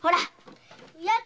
やった！